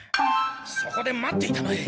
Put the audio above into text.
そこで待っていたまえ。